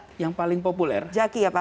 nah ada yang paling populer jaki ya pak